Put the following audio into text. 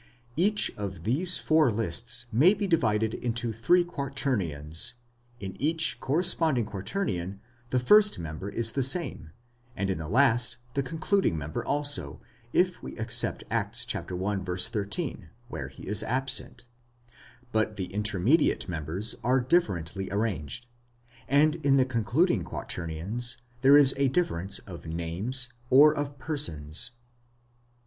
Each of these four lists may be divided into three quaternions ; in each corresponding quaternion the first member is: the same ; and in the last, the concluding member also, if we except Acts i. 13, where he is absent: but the intermediate members are differently arranged,. and in the concluding quaternions there is a difference of names or of persons.